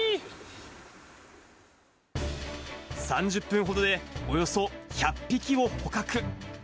３０分ほどでおよそ１００匹を捕獲。